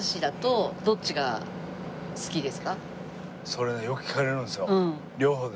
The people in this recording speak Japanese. それねよく聞かれるんですよ。